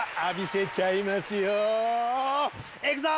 いくぞ！